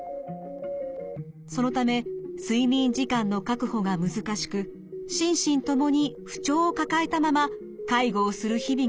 そのため睡眠時間の確保が難しく心身ともに不調を抱えたまま介護をする日々が続いています。